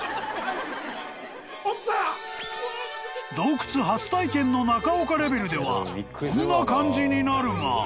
［洞窟初体験の中岡レベルではこんな感じになるが］